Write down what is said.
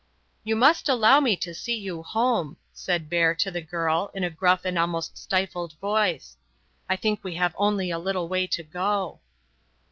"You must allow me to see you home," said Bert to the girl, in a gruff and almost stifled voice; "I think we have only a little way to go."